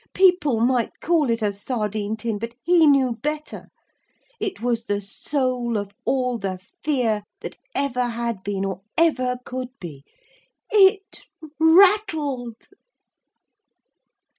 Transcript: People might call it a sardine tin, but he knew better. It was the soul of all the fear that ever had been or ever could be. _It rattled.